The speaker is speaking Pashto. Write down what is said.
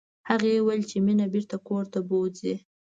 هغې وویل چې مينه بېرته کور ته بوزئ